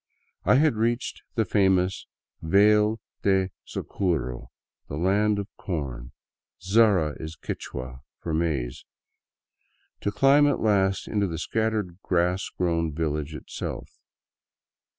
I had reached the famous Vale of Zaraguro, the Land of Corn, — sara is Qui^hua*for maize — to climb at last into the scattered grass grown village itself.